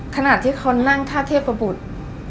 ขณะที่เขานั่งท่าเทพบุตร